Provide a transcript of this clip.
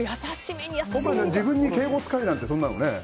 自分に敬語使えなんてそんなのね。